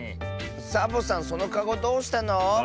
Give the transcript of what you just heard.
サボさんそのかごどうしたの？